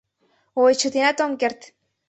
Ой, чытенат ом керт...